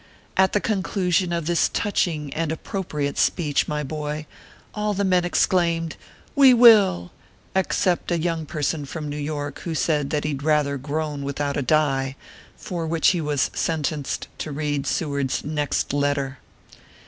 At the conclusion of this touching and appropriate speech, my boy, all the men exclaimed :" We will !" except a young person from New York, who said that he d rather "Groan without a die ;" for which he was sentenced to read Seward s next letter.